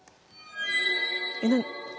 えっ何。